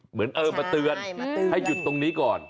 เหมือนเออมาเตือนให้หยุดตรงนี้ก่อน